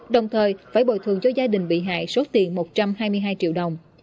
đồng thời phải bồi thường cho gia đình bị hại số tiền một trăm hai mươi hai triệu đồng